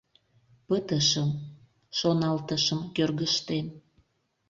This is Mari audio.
«Пытышым», — шоналтышым кӧргыштем...